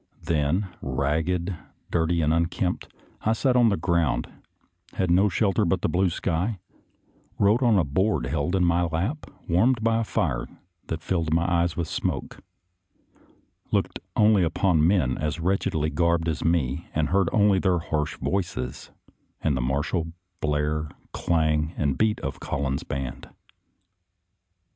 Then, ragged, 380 A THIRTY DAY FURLOUGH 221 dirty, and unkempt, I sat on the ground, had no shelter but the blue sky, wrote on a board held in my lap, warmed by a fire that filled my eyes with smoke, looked only upon men as wretchedly garbed as myself, and heard only their harsh voices and the martial blare, clang, and beat of Collin's band.